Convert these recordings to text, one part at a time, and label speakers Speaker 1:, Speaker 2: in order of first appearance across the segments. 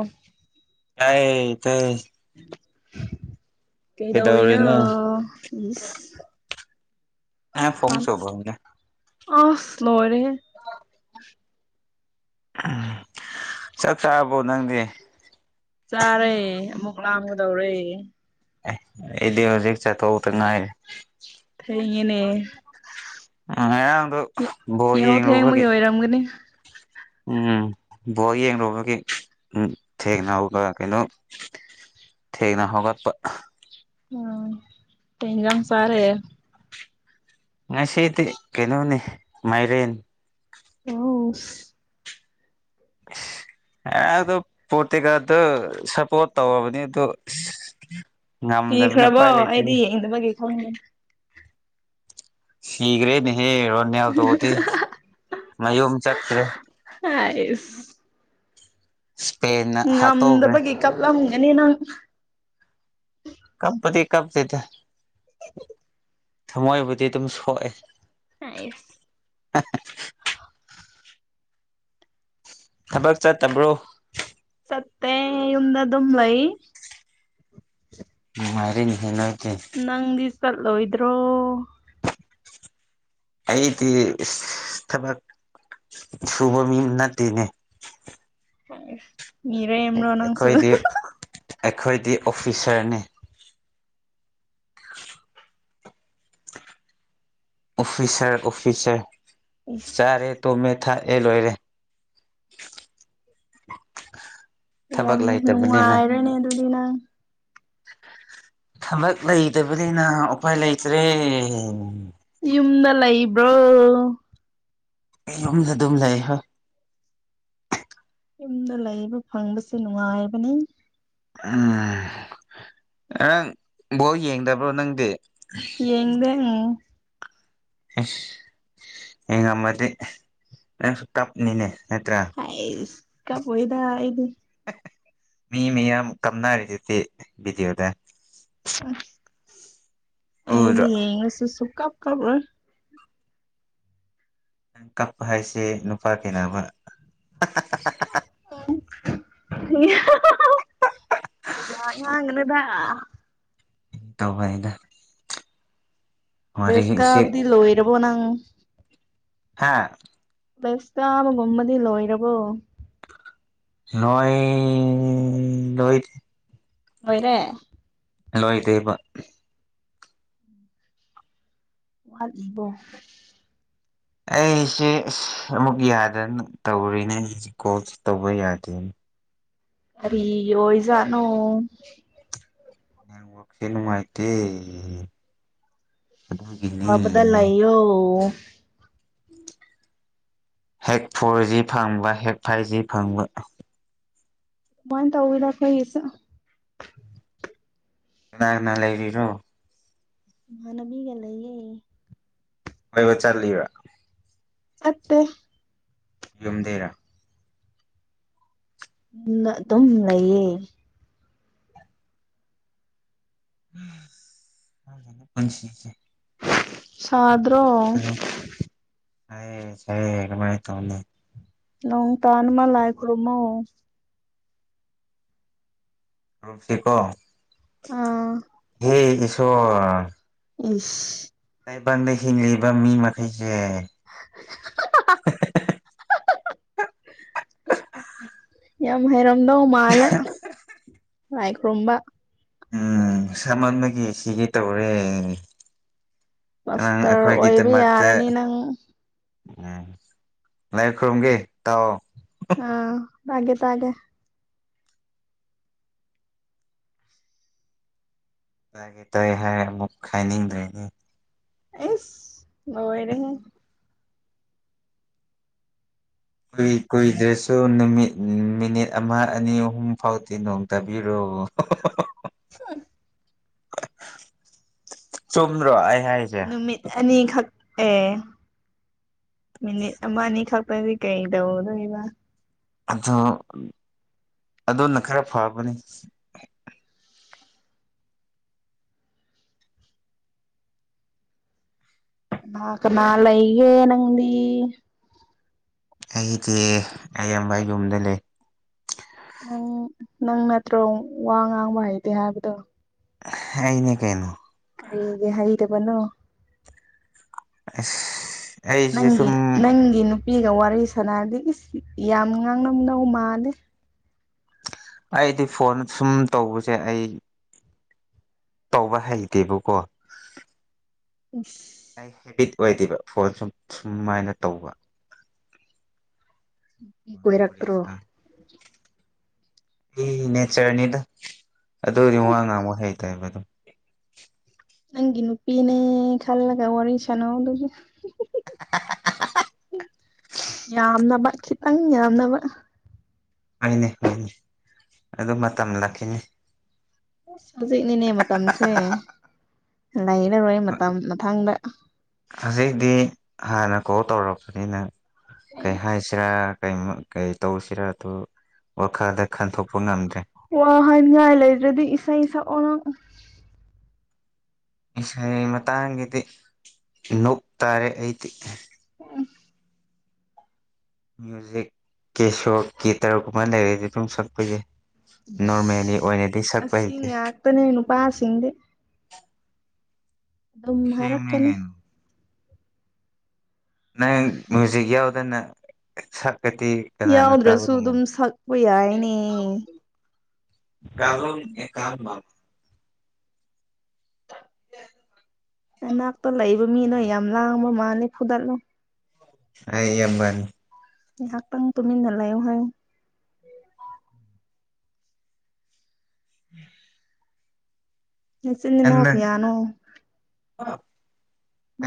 Speaker 1: ꯑ
Speaker 2: ꯇꯥꯏꯌꯦ ꯇꯥꯏꯌꯦ
Speaker 1: ꯀꯩꯗꯧꯔꯤꯅꯣ ꯏꯁ
Speaker 2: ꯑꯦ ꯐꯣꯝ
Speaker 1: ꯍꯥꯟ
Speaker 2: ꯁꯣꯕ [unintelligible]
Speaker 1: ꯑꯁ ꯂꯣꯏꯔꯦꯍꯦ
Speaker 2: ꯆꯥꯛ ꯆꯥꯔꯕꯣ ꯅꯪꯗꯤ
Speaker 1: ꯆꯥꯔꯦ ꯑꯃꯨꯛ ꯂꯥꯝꯒꯗꯧꯔꯦ
Speaker 2: ꯑꯦ ꯑꯩꯗꯤ ꯍꯧꯖꯤꯛ ꯆꯥꯛ ꯇꯣꯛꯇ ꯉꯥꯏꯔꯤ
Speaker 1: ꯏꯡꯉꯦꯅꯦ
Speaker 2: ꯉꯔꯥꯡꯗꯣ ꯕꯣꯜ ꯌꯦꯡꯉꯨꯕꯒꯤ
Speaker 1: ꯊꯦꯡꯕꯒꯤ ꯑꯣꯏꯔꯝꯒꯅꯤ
Speaker 2: ꯎꯝ ꯕꯣꯜ ꯌꯦꯡꯂꯨꯕꯒꯤ ꯎꯝ ꯊꯦꯡꯅ ꯍꯧꯒꯠꯂ ꯀꯩꯅꯣ ꯊꯦꯡꯅ ꯍꯧꯒꯠꯄ
Speaker 1: ꯑꯥ ꯀꯩ ꯍꯤꯟꯁꯥꯡ ꯆꯥꯔꯦ
Speaker 2: ꯉꯁꯤꯗꯤ ꯀꯩꯅꯣꯅꯦ ꯃꯥꯏꯔꯦꯟ
Speaker 1: ꯋꯥꯎꯁ
Speaker 2: [inaudible] ꯑꯦ ꯑꯗꯨ ꯄꯣꯔꯇꯤꯀꯥꯗꯇꯣ ꯁꯞꯄꯣꯔꯠ ꯇꯧꯔꯕꯅꯤ ꯑꯗꯨ
Speaker 1: ꯀꯤꯈ꯭ꯔꯕꯣ ꯑꯩꯗꯤ ꯌꯦꯡꯗꯕꯒꯤ ꯈꯪꯗꯦ
Speaker 2: ꯁꯤꯈ꯭ꯔꯦꯅꯦꯍꯦ ꯔꯣꯅꯦꯜꯇꯣꯗꯤ ꯃꯌꯨꯝ ꯆꯠꯈ꯭ꯔꯦ
Speaker 1: ꯍꯥꯏꯁ
Speaker 2: ꯏꯁꯄꯦꯟꯅ ꯍꯥꯠꯇꯣꯛꯈ꯭ꯔꯦ
Speaker 1: ꯉꯝꯗꯕꯒꯤ ꯀꯞꯂꯝꯒꯅꯤ ꯅꯪ
Speaker 2: ꯀꯞꯄꯗꯤ ꯀꯞꯇꯦꯗ ꯊꯃꯣꯏꯕꯨꯗꯤ ꯑꯗꯨꯝ ꯁꯣꯛꯑꯦ
Speaker 1: ꯑꯥꯏꯁ
Speaker 2: ꯊꯕꯛ ꯆꯠꯇꯕ꯭ꯔꯣ
Speaker 1: ꯆꯠꯇꯦ ꯌꯨꯝꯗ ꯑꯗꯨꯝ ꯂꯩꯏ
Speaker 2: ꯅꯨꯉꯥꯏꯔꯤ ꯍꯤ ꯅꯣꯏ
Speaker 1: ꯅꯪꯗꯤ ꯆꯠꯂꯣꯏꯗ꯭ꯔꯣ
Speaker 2: ꯑꯩꯗꯤ ꯏꯁ ꯊꯕꯛ ꯁꯨꯕ ꯃꯤ ꯅꯠꯇꯦꯅꯦ
Speaker 1: ꯃꯤꯔꯦꯝꯂꯣ ꯅꯪꯁꯨ
Speaker 2: ꯑꯩꯈꯣꯏꯗꯤ ꯑꯩꯈꯣꯏꯗꯤ ꯑꯣꯐꯤꯁꯔꯅꯦ ꯑꯣꯐꯤꯁꯔ ꯑꯣꯐꯤꯁꯔ
Speaker 1: ꯏꯁ
Speaker 2: ꯆꯔꯦ ꯇꯣꯝꯃꯦ ꯊꯛꯑꯦ ꯂꯣꯏꯔꯦ ꯊꯕꯛ
Speaker 1: ꯌꯥꯝ
Speaker 2: ꯂꯩꯇꯕꯅꯤꯅ
Speaker 1: ꯅꯨꯉꯥꯏꯔꯦꯅꯦ ꯑꯗꯨꯗꯤ ꯅꯪ
Speaker 2: ꯊꯕꯛ ꯂꯩꯇꯕꯅꯤꯅ ꯎꯄꯥꯏ ꯂꯩꯇ꯭ꯔꯦ
Speaker 1: ꯌꯨꯝꯗ ꯂꯩꯕ꯭ꯔꯣ
Speaker 2: ꯌꯨꯝꯗ ꯑꯗꯨꯝ ꯂꯩ ꯍꯥꯥ
Speaker 1: ꯌꯨꯝꯗ ꯂꯩꯕ ꯐꯪꯕꯁꯦ ꯅꯨꯡꯉꯥꯏꯕꯅꯤ
Speaker 2: ꯎꯝ ꯅꯪ ꯕꯣꯜ ꯌꯦꯡꯗꯕ꯭ꯔꯣ ꯅꯪꯗꯤ
Speaker 1: ꯌꯦꯡꯗꯦꯉ
Speaker 2: ꯏꯁ ꯌꯦꯡꯉꯝꯃꯗꯤ ꯅꯪꯁꯨ ꯀꯞꯅꯤꯅꯦ ꯅꯠꯇ꯭ꯔꯥ
Speaker 1: ꯍꯥꯏꯁ ꯀꯞꯑꯣꯏꯗ ꯑꯩꯗꯤ
Speaker 2: ꯃꯤ ꯃꯌꯥꯝ ꯀꯞꯅꯔꯤꯗꯨꯗꯤ ꯕꯤꯗꯤꯑꯣꯗ
Speaker 1: ꯑꯩꯗꯤ
Speaker 2: ꯎꯗ꯭ꯔꯣ
Speaker 1: ꯌꯦꯡꯉꯁꯨ ꯁꯨꯛꯀꯞ ꯀꯞꯔꯣꯏ
Speaker 2: ꯅꯪ ꯀꯞꯄ ꯍꯥꯏꯁꯦ ꯅꯨꯄꯥ ꯀꯥꯢꯅꯕ
Speaker 1: ꯑꯗꯨꯃꯥꯏ ꯉꯥꯡꯒꯅꯨꯗ
Speaker 2: ꯇꯧꯕ ꯍꯩꯗ
Speaker 1: ꯕꯦꯁ ꯀꯥꯕꯗꯤ ꯂꯣꯏꯔꯕꯣ ꯅꯪ
Speaker 2: ꯍꯥꯥ
Speaker 1: ꯀꯣꯜꯦꯁ ꯀꯥꯕꯒꯨꯝꯕꯗꯤ ꯂꯣꯏꯔꯕꯣ
Speaker 2: ꯂꯣꯏ ꯂꯣꯏꯗꯤ
Speaker 1: ꯂꯣꯏꯔꯦ
Speaker 2: ꯂꯣꯏꯗꯦꯕ
Speaker 1: ꯋꯥꯠꯂꯤꯕꯣ
Speaker 2: ꯑꯩꯁꯦ ꯑꯁ ꯑꯃꯨꯛ ꯌꯥꯗꯅ ꯇꯧꯔꯤꯅꯦ ꯑꯩꯁꯦ ꯀꯣꯜꯁꯦ ꯇꯧꯕ ꯌꯥꯗꯦꯅꯦ
Speaker 1: ꯀꯔꯤ ꯑꯣꯏ ꯖꯥꯠꯅꯣ
Speaker 2: ꯅꯦꯠꯋꯥꯛꯁꯦ ꯅꯨꯡꯉꯥꯏꯇꯦ ꯑꯗꯨꯒꯤꯅꯦ
Speaker 1: ꯐꯕꯗ ꯂꯩꯌꯣ
Speaker 2: [inaudible] ꯍꯦꯛ ꯐꯣꯔ ꯖꯤ ꯐꯪꯕ ꯍꯦꯛ ꯐꯥꯏꯚ ꯖꯤ ꯐꯪꯕ
Speaker 1: ꯕꯥꯎꯟ ꯇꯧꯏꯗ ꯑꯩꯈꯣꯏꯒꯤꯁꯨ
Speaker 2: ꯀꯅꯥ ꯀꯅꯥ ꯂꯩꯔꯤꯔꯣ
Speaker 1: ꯏꯃꯥꯟꯅꯕꯤꯒ ꯂꯩꯌꯦ
Speaker 2: ꯀꯣꯏꯕ ꯆꯠꯂꯤꯔꯥ
Speaker 1: ꯆꯠꯇꯦ
Speaker 2: ꯌꯨꯝꯗꯩꯔꯥ
Speaker 1: ꯑꯗꯨꯅ ꯑꯗꯨꯝ ꯂꯩꯌꯦ
Speaker 2: ꯑꯁ ꯈꯪꯗꯦꯅꯦ ꯄꯨꯟꯁꯤꯁꯦ
Speaker 1: ꯁꯥꯗ꯭ꯔꯣ
Speaker 2: ꯁꯥꯏꯌꯦ ꯁꯥꯏꯌꯦ ꯀꯃꯥꯏ ꯇꯧꯅꯤ
Speaker 1: ꯅꯣꯡ ꯇꯥꯅꯕ ꯂꯥꯏ ꯈꯨꯔꯝꯃꯣ
Speaker 2: ꯈꯨꯔꯨꯝꯀꯦꯀꯣ
Speaker 1: ꯑꯥ
Speaker 2: ꯍꯦ ꯏꯁ꯭ꯋꯥꯔ
Speaker 1: ꯏꯁ
Speaker 2: ꯇꯥꯏꯕꯪꯗ ꯍꯤꯡꯂꯤꯕ ꯃꯤ ꯃꯈꯩꯁꯦ [unintelligible]
Speaker 1: [inaudible] ꯌꯥꯝ ꯍꯩꯔꯝꯗꯧ ꯃꯥꯜꯂꯦ ꯂꯥꯏ ꯈꯨꯔꯝꯕ
Speaker 2: ꯎꯝ ꯁꯥꯃꯟꯕꯒꯤ ꯁꯤꯒꯤ ꯇꯧꯔꯦ ꯑꯉꯥꯡ
Speaker 1: ꯄꯥꯁꯇꯔ ꯑꯣꯏꯕ
Speaker 2: ꯑꯩꯈꯣꯏꯒꯤꯗꯃꯛꯇ
Speaker 1: ꯌꯥꯔꯅꯤ ꯅꯪ
Speaker 2: ꯎꯝ ꯂꯥꯏꯈꯨꯔꯨꯝꯒꯦ ꯇꯥꯎꯑꯣ
Speaker 1: ꯑꯧ ꯇꯥꯒꯦ ꯇꯥꯒꯦ
Speaker 2: ꯇꯥꯒꯦ ꯇꯥꯏ ꯍꯥꯏꯔ ꯑꯃꯨꯛ ꯈꯥꯏꯅꯤꯡꯗ꯭ꯔꯦꯅꯦ
Speaker 1: ꯏꯁ ꯂꯣꯏꯔꯦꯍꯦ
Speaker 2: ꯀꯨꯏ ꯀꯨꯏꯗ꯭ꯔꯁꯨ ꯅꯨꯃꯤꯠ ꯎꯝ ꯃꯤꯅꯤꯠ ꯑꯃ ꯑꯅꯤ ꯑꯍꯨꯝ ꯐꯥꯎꯗꯤ ꯅꯣꯡ ꯇꯥꯕꯤꯔꯣ ꯑꯣ [unintelligible]
Speaker 1: ꯍꯝ
Speaker 2: ꯆꯨꯝꯕ꯭ꯔꯣ ꯑꯩ ꯍꯥꯏꯔꯤꯁꯦ
Speaker 1: ꯅꯨꯃꯤꯠ ꯑꯅꯤꯈꯛ ꯑꯦ ꯃꯤꯅꯤꯠ ꯑꯃ ꯑꯅꯤ ꯈꯛꯇꯗꯤ ꯀꯩ ꯇꯧꯗꯣꯏꯕ
Speaker 2: ꯑꯗꯣ ꯑꯗꯨꯅ ꯈꯔ ꯐꯕꯅꯤ
Speaker 1: ꯀꯥꯅ ꯀꯥꯅ ꯂꯩꯒꯦ ꯅꯪꯗꯤ
Speaker 2: ꯑꯩꯗꯤ ꯑꯌꯥꯝꯕ ꯌꯨꯝꯗ ꯂꯩ
Speaker 1: ꯅꯪ ꯅꯪ ꯅꯠꯇ꯭ꯔꯣ ꯋꯥ ꯉꯥꯡꯕ ꯍꯩꯇꯧ ꯍꯥꯏꯕꯗꯣ
Speaker 2: ꯍꯩꯅꯤ ꯀꯩꯅꯣ
Speaker 1: ꯀꯩꯒꯤ ꯍꯩꯗꯕꯅꯣ
Speaker 2: ꯑꯁ ꯑꯩꯁꯦ
Speaker 1: ꯅꯪꯒꯤ
Speaker 2: ꯁꯨꯝ
Speaker 1: ꯅꯪꯒꯤ ꯅꯨꯄꯤꯒ ꯋꯥꯔꯤ ꯁꯥꯟꯅꯔꯗꯤ ꯏꯁ ꯌꯥꯝ ꯉꯥꯡꯉꯝ ꯅꯧ ꯃꯥꯂꯦ
Speaker 2: ꯑꯩꯗꯤ ꯐꯣꯟ ꯁꯨꯝ ꯇꯧꯕꯁꯦ ꯑꯩ ꯇꯧꯕ ꯍꯩꯇꯦꯕꯀꯣ
Speaker 1: ꯏꯁ
Speaker 2: ꯑꯩ ꯍꯦꯕꯤꯠ ꯑꯣꯏꯗꯦꯕ ꯐꯣꯟ ꯁꯨꯝ ꯁꯨꯃꯥꯏꯅ ꯇꯧꯕ
Speaker 1: ꯃꯤ ꯀꯣꯏꯔꯛꯇ꯭ꯔꯣ
Speaker 2: [unintelligible] ꯃꯤꯒꯤ ꯅꯦꯆꯔꯅꯤꯗ ꯑꯗꯨꯗꯤ
Speaker 1: ꯎꯝ
Speaker 2: ꯋꯥꯉꯥꯡꯕ ꯍꯩꯇꯦꯕ ꯑꯗꯨꯝ
Speaker 1: ꯅꯪꯒꯤ ꯅꯨꯄꯤꯅꯦ ꯈꯜꯂꯒ ꯋꯥꯔꯤ ꯁꯥꯅꯧꯗꯨꯗꯤ [unintelligible] ꯌꯥꯝꯅꯕ ꯈꯤꯇꯪ ꯌꯥꯝꯅꯕ
Speaker 2: ꯍꯅꯦ ꯍꯅꯦ ꯑꯗꯨ ꯃꯇꯝ ꯂꯥꯛꯈꯤꯅꯦ
Speaker 1: ꯑꯁ ꯍꯧꯖꯤꯛꯅꯤꯅꯦ ꯃꯇꯝꯁꯦ ꯂꯩꯔꯔꯣꯏ ꯃꯇꯝ ꯃꯊꯪꯗ
Speaker 2: ꯍꯧꯖꯤꯛꯗꯤ ꯍꯥꯟꯅ ꯀꯣꯜ ꯇꯧꯔꯛꯄꯅꯤꯅ ꯀꯩ ꯍꯥꯏꯁꯤꯔꯥ ꯀꯩ ꯇꯧꯁꯤꯔ ꯑꯗꯨ ꯋꯥꯈꯜꯗ ꯈꯟꯊꯣꯛꯄ ꯉꯝꯗ꯭ꯔꯦ
Speaker 1: ꯋꯥ ꯍꯥꯏꯅꯤꯡꯉꯥꯏ ꯂꯩꯗ꯭ꯔꯗꯤ ꯏꯁꯩ ꯁꯛ ꯑꯣ
Speaker 2: ꯏꯁꯩ ꯃꯇꯥꯡꯒꯤꯗꯤ ꯅꯣꯞ ꯇꯥꯔꯦ ꯑꯩꯗꯤ
Speaker 1: ꯎꯝ
Speaker 2: ꯃ꯭ꯌꯨꯖꯤꯛ ꯀꯦꯁꯣ ꯀꯇꯔꯒꯨꯝꯕ ꯂꯩꯔꯗꯤ ꯑꯗꯨꯝ ꯁꯛꯄ ꯌꯥꯏ ꯅꯣꯔꯃꯦꯜꯂꯤ ꯑꯣꯏꯅꯗꯤ ꯁꯛꯄ
Speaker 1: ꯑꯁꯤ
Speaker 2: ꯍꯩꯇꯦ
Speaker 1: ꯉꯥꯛꯇꯅꯦ ꯅꯨꯄꯥꯁꯤꯡꯗꯤ ꯑꯗꯨꯝ
Speaker 2: ꯁꯦꯝꯅꯤ
Speaker 1: ꯍꯥꯏꯔꯛꯀꯅꯤ
Speaker 2: ꯀꯩꯅꯣ ꯅꯪ ꯃꯨꯏꯖꯤꯛ ꯌꯥꯎꯗꯅ ꯁꯛ ꯑꯗꯤ ꯀꯅꯥꯅ ꯇꯥꯕ
Speaker 1: ꯌꯥꯎꯗ꯭ꯔꯁꯨ ꯑꯗꯨꯝ
Speaker 2: ꯉꯝꯃꯣꯏ
Speaker 1: ꯁꯛꯄ ꯌꯥꯏꯅꯦ
Speaker 2: ꯀꯔꯣꯡꯅꯤ [unintelligible]
Speaker 1: ꯅꯅꯥꯛꯇ ꯂꯩꯕ ꯃꯤꯗꯣ ꯌꯥꯝ ꯂꯥꯡꯕ ꯃꯥꯜꯂꯤ ꯐꯨꯗꯠꯂꯣ
Speaker 2: ꯑꯩ ꯏꯌꯝꯕꯅꯤ
Speaker 1: ꯉꯩꯍꯥꯛꯇꯪ ꯇꯨꯃꯤꯟꯅ ꯂꯩꯌꯣ ꯍꯥꯏꯌꯣ
Speaker 2: [unintelligible]
Speaker 1: ꯅꯆꯤꯜ ꯅꯅꯥꯎ ꯀꯌꯥꯅꯣ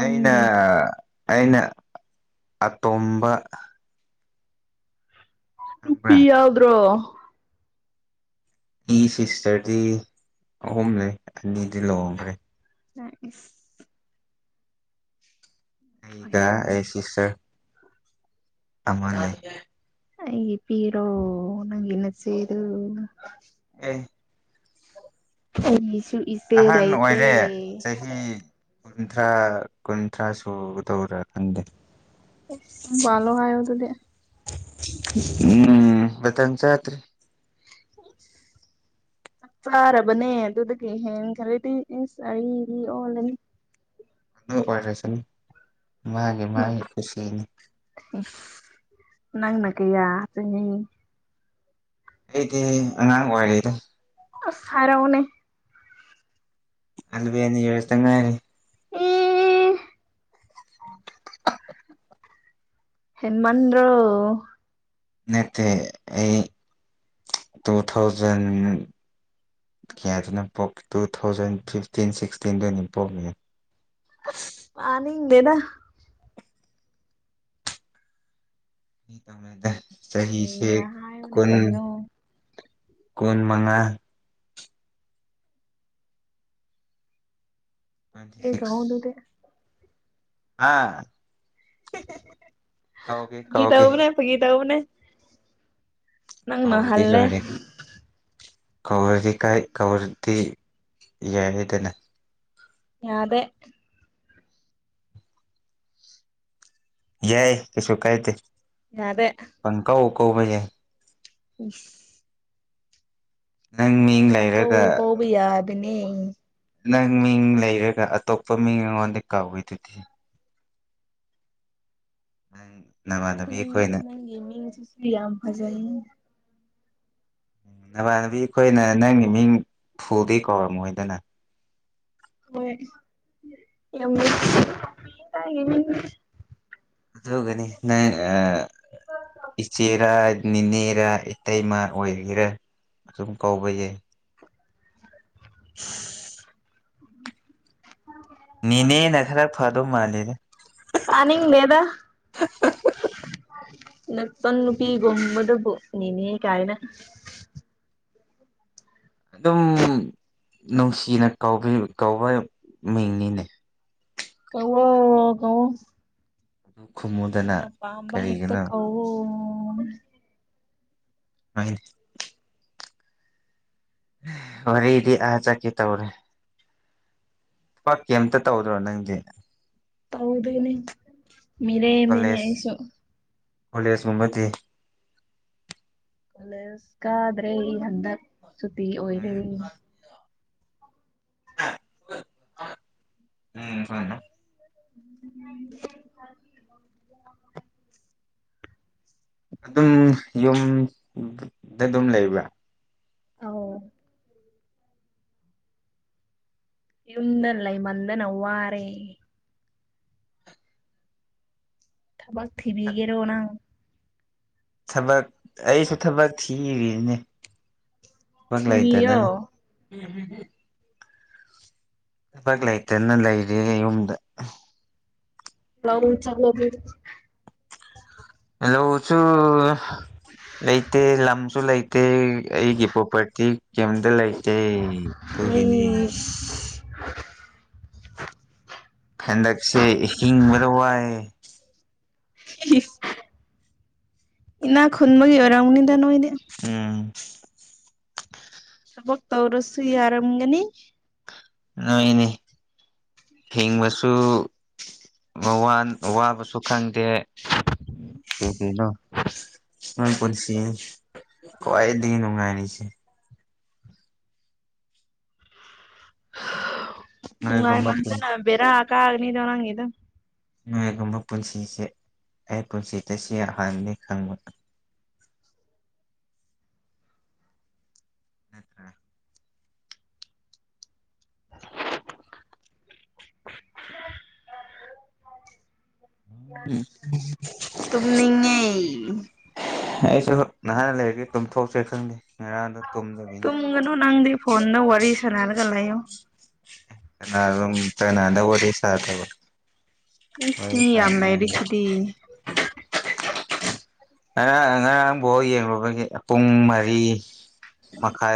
Speaker 2: ꯑꯩꯅ ꯑꯩꯅ ꯑꯇꯣꯝꯕ
Speaker 1: ꯅꯨꯄꯤ
Speaker 2: ꯈꯪꯕ꯭ꯔꯥ
Speaker 1: ꯌꯥꯎꯗ꯭ꯔꯣ
Speaker 2: ꯏ ꯁꯤꯁꯇꯔꯗꯤ ꯑꯍꯨꯝ ꯂꯩ ꯑꯅꯤꯗꯤ ꯂꯨꯍꯣꯡꯈ꯭ꯔꯦ
Speaker 1: ꯑ ꯏꯁ
Speaker 2: ꯑꯩꯒ
Speaker 1: ꯐꯩꯅꯦ
Speaker 2: ꯑꯩ ꯁꯤꯁꯇꯔ ꯑꯃ ꯂꯩ
Speaker 1: ꯑꯩꯒꯤ ꯄꯤꯔꯣ ꯅꯪꯒꯤ ꯅꯆꯦꯗꯨ
Speaker 2: ꯑꯦ
Speaker 1: ꯑꯩꯒꯤꯁꯨ ꯏꯆꯦ
Speaker 2: ꯑꯍꯟ
Speaker 1: ꯂꯩꯥꯇꯦ
Speaker 2: ꯑꯣꯏꯔꯦ ꯆꯍꯤ ꯀꯨꯟꯊ꯭ꯔꯥ ꯀꯨꯟꯊ꯭ꯔꯥ ꯁꯨꯒꯗꯧꯔꯥ ꯈꯪꯗꯦ
Speaker 1: ꯏꯁ ꯌꯨꯝ ꯄꯥꯂꯣ ꯍꯥꯏ ꯑꯣ ꯑꯗꯨꯗꯤ
Speaker 2: ꯎꯝ ꯃꯇꯝ ꯆꯗ꯭ꯔꯤ
Speaker 1: [unintelligible] ꯆꯞ ꯆꯥꯔꯕꯅꯦ ꯑꯗꯨꯗꯒꯤ ꯍꯦꯟ ꯈ꯭ꯔꯗꯤ ꯏꯁ ꯑꯔꯤꯕꯤ ꯑꯣꯜꯂꯅꯤ
Speaker 2: ꯑꯗꯨ ꯑꯣꯏꯔꯁꯅꯨ ꯃꯥꯒꯤ ꯃꯥꯒꯤ ꯈꯨꯨꯁꯤꯅꯤ
Speaker 1: ꯅꯪꯅ ꯀꯌꯥ ꯑꯗꯨꯅꯤ
Speaker 2: ꯑꯩꯗꯤ ꯑꯉꯥꯡ ꯑꯣꯏꯔꯤꯗ
Speaker 1: ꯑꯁ ꯍꯥꯏꯔꯛꯎꯅꯦ
Speaker 2: ꯑꯦꯂꯕꯦꯜ ꯌꯁ ꯇꯥ ꯉꯥꯏꯔꯦ
Speaker 1: ꯑꯦ
Speaker 2: [unintelligible]
Speaker 1: ꯍꯦꯟꯃꯟꯗ꯭ꯔꯣ
Speaker 2: ꯅꯠꯇꯦ ꯑꯩ ꯇꯨ ꯊꯥꯎꯖꯟ ꯀꯌꯥꯗꯅꯣ ꯄꯣꯛ ꯇꯨ ꯊꯥꯎꯖꯟ ꯐꯤꯐꯇꯤꯟ ꯁꯤꯛꯁꯇꯤꯟꯗꯨꯅꯤ ꯄꯣꯛꯂ
Speaker 1: ꯑꯁ ꯇꯅꯤꯡꯗꯦꯗ
Speaker 2: ꯆꯍꯤꯁꯦ
Speaker 1: ꯁꯦꯡꯅ ꯍꯥꯏꯌꯨꯅꯦ
Speaker 2: ꯀꯨꯟ
Speaker 1: ꯀꯩꯅꯣ
Speaker 2: ꯀꯨꯟ ꯃꯉꯥ ꯇ꯭ꯋꯦꯟꯇꯤ
Speaker 1: ꯏꯆꯦ ꯀꯧꯑꯣ
Speaker 2: ꯁꯤꯛꯁ
Speaker 1: ꯑꯗꯨꯗꯤ
Speaker 2: ꯑꯥ
Speaker 1: [unintelligible]
Speaker 2: ꯀꯧꯒꯦ ꯀꯧꯒꯦ
Speaker 1: ꯇꯎꯅꯦ ꯅꯪꯅ
Speaker 2: ꯀꯧꯔꯗꯤ
Speaker 1: ꯍꯜꯂꯦ
Speaker 2: ꯂꯣꯏꯔꯦ ꯀꯧꯔꯗꯤ ꯀꯥꯏ ꯀꯧꯔꯗꯤ ꯌꯥꯏ ꯍꯥꯏꯗꯅ
Speaker 1: ꯌꯥꯗꯦ
Speaker 2: ꯌꯥꯏ ꯀꯩꯁꯨ ꯀꯥꯏ ꯗꯦ
Speaker 1: ꯌꯥꯗꯦ
Speaker 2: ꯀꯧꯕ‌ ꯌꯥꯏ
Speaker 1: ꯏꯁ
Speaker 2: ꯅꯪ ꯃꯤꯡ ꯂꯩꯔꯒ
Speaker 1: ꯀꯧ ꯀꯧꯕ ꯌꯥꯗꯦꯅꯦ
Speaker 2: ꯅꯪ ꯃꯤꯡ ꯂꯩꯔꯒ ꯑꯇꯣꯞꯄ ꯃꯤꯡ ꯑꯩꯉꯣꯟꯗ ꯀꯧꯏ ꯑꯗꯨꯗꯤ [unintelligible]
Speaker 1: ꯎꯝ
Speaker 2: ꯑꯩꯈꯣꯏꯅ
Speaker 1: ꯅꯪꯒꯤ ꯃꯤꯡ ꯁꯤꯁꯨ ꯌꯥꯝ ꯐꯖꯩꯌꯦ
Speaker 2: ꯎꯝ ꯅꯕꯥꯅꯕꯤ ꯑꯩꯈꯣꯏꯅ ꯅꯪꯒꯤ ꯃꯤꯡ ꯐꯨꯗꯤ ꯀꯧꯔꯝꯃꯣꯏꯗꯅ
Speaker 1: [unintelligible]
Speaker 2: ꯑꯗꯨꯒꯅꯤ ꯅꯪ ꯑꯥ ꯏꯆꯦꯔꯥ ꯅꯤꯅꯦꯔꯥ ꯏꯇꯩꯃ ꯑꯣꯏꯒꯦꯔꯥ ꯑꯗꯨꯝ ꯀꯧꯕ ꯌꯥꯏ
Speaker 1: [unintelligible]
Speaker 2: ꯅꯤꯅꯦ ꯅ ꯈꯔ ꯐꯥꯗꯣ ꯃꯥꯂꯦ ꯍꯦ
Speaker 1: ꯇꯥꯅꯤꯡ ꯗꯦꯗꯥ ꯅꯆꯟ ꯅꯨꯄꯤ ꯒꯨꯝꯕꯗꯕꯨ ꯅꯤꯅꯦ ꯀꯥꯏꯅ
Speaker 2: ꯑꯗꯨꯝ ꯅꯨꯡꯁꯤꯅ ꯀꯧꯕ ꯃꯤꯡꯅꯤꯅꯦ
Speaker 1: ꯀꯧꯋꯣ ꯀꯧꯋꯣ
Speaker 2: ꯑꯗꯨ ꯈꯨꯝꯃꯨꯗꯅ
Speaker 1: ꯅꯪꯅ ꯄꯥꯝꯕ ꯍꯦꯛꯇ
Speaker 2: ꯀꯔꯤꯒꯤꯅꯣ
Speaker 1: ꯀꯧꯋꯣ
Speaker 2: [unintelligible] ꯋꯥꯔꯤꯗꯤ ꯑꯥ ꯆꯠꯀꯦ ꯇꯧꯔꯦ ꯄꯥ ꯀꯩꯝꯇ ꯇꯧꯗ꯭ꯔꯣ ꯅꯪꯗꯤ
Speaker 1: ꯇꯧꯗꯦꯅꯦ ꯃꯤꯔꯦꯝꯅꯤꯅꯦ ꯑꯩꯁꯨ
Speaker 2: ꯀꯣꯂꯦꯖ ꯒꯨꯝꯕꯗꯤ
Speaker 1: ꯀꯂꯦꯖ ꯀꯥꯗ꯭ꯔꯦ ꯍꯟꯗꯛ ꯁꯨꯇꯤ ꯑꯣꯏꯔꯦ
Speaker 2: ꯎꯝ ꯎꯝ
Speaker 1: [inaudible]
Speaker 2: ꯑꯗꯨꯝ ꯌꯨꯝ ꯗꯥ ꯗꯨꯝ ꯂꯩꯕ꯭ꯔꯥ
Speaker 1: ꯑꯥꯎ ꯌꯨꯝꯗ ꯂꯩꯃꯟꯗꯅ ꯋꯥꯔꯦ ꯊꯕꯛ ꯊꯤꯕꯤꯒꯦꯔꯣ ꯅꯪ
Speaker 2: ꯊꯕꯛ ꯑꯩꯁꯨ ꯊꯕꯛ ꯊꯤꯔꯤꯅꯦ ꯕꯛ
Speaker 1: ꯊꯤꯕꯤꯌꯣ
Speaker 2: ꯂꯩꯇꯗꯅ ꯊꯕꯛ ꯂꯩꯇꯅ ꯂꯩꯔꯤꯔꯦ ꯌꯨꯝꯗ
Speaker 1: ꯂꯧ ꯆꯠꯂꯣ ꯑꯗꯨꯗꯤ
Speaker 2: ꯂꯧ ꯆꯨ ꯂꯩꯇꯦ ꯂꯝꯁꯨ ꯂꯩꯇꯦ ꯑꯩꯒꯤ ꯄ꯭ꯔꯣꯄꯔꯇꯤ ꯀꯩꯝꯗ ꯂꯩ ꯇꯦ ꯗꯨꯒꯤꯅꯤ
Speaker 1: ꯏꯁ
Speaker 2: ꯈꯟꯗꯛꯁꯦ ꯍꯤꯡꯕꯗ ꯋꯥꯏꯌꯦ
Speaker 1: [unintelligible] ꯏꯅꯥ ꯈꯨꯟꯕꯒꯤ ꯑꯣꯏꯔꯝꯒꯅꯤꯗ ꯅꯣꯏꯗꯤ
Speaker 2: ꯎꯝ
Speaker 1: ꯊꯕꯛ ꯇꯧꯔꯁꯨ ꯌꯥꯔꯝꯒꯅꯤ
Speaker 2: ꯅꯣꯏꯅꯦ ꯍꯤꯡꯕꯁꯨ ꯋꯋꯥꯟ ꯋꯥꯕꯁꯨ ꯈꯪꯗꯦ [unintelligible] ꯅꯣꯏ ꯄꯨꯟꯁꯤ ꯈ꯭ꯋꯥꯏꯗꯒꯤ ꯅꯨꯡꯉꯥꯏꯔꯤꯁꯦ ꯅꯣꯏꯒꯨꯝꯕ ꯄꯨꯟ
Speaker 1: ꯅꯨꯡꯉꯥꯏꯃꯟꯗꯅ ꯕꯦꯔꯥ ꯀꯥꯒꯅꯤꯗꯣ ꯅꯪꯒꯤꯗꯨ
Speaker 2: ꯅꯣꯏꯒꯨꯝꯕ ꯄꯨꯟꯁꯤꯁꯦ ꯑꯩ ꯄꯨꯟꯁꯤꯇꯁꯦ ꯍꯥꯟꯅꯅꯤ ꯈꯪꯕ [inaudible] ꯎꯝ
Speaker 1: ꯇꯨꯝꯅꯤꯡꯉꯦ
Speaker 2: ꯑꯩꯁꯨ ꯅꯍꯥꯔ ꯂꯩꯔꯗꯤ ꯇꯨꯝꯊꯣꯛꯁꯦ ꯈꯪꯗꯦ ꯉꯔꯥꯡꯗꯣ ꯇꯨꯝꯗꯕꯤꯅ
Speaker 1: ꯇꯨꯡꯒꯅꯨ ꯅꯪꯗꯤ ꯐꯣꯟꯗ ꯋꯥꯔꯤ ꯁꯅꯥꯔꯒ ꯂꯩꯌꯣ
Speaker 2: [unintelligible] ꯀꯅꯥꯗ ꯋꯥꯔꯤ ꯁꯗꯣꯕ
Speaker 1: ꯏꯁ ꯃꯤ ꯌꯥꯝ ꯂꯩꯔꯤꯁꯤꯗꯤ
Speaker 2: ꯑꯥ ꯉꯔꯥꯡ ꯕꯣꯜ ꯌꯦꯔꯨꯕꯒꯤ ꯄꯨꯡ ꯃꯔꯤ ꯃꯈꯥꯏ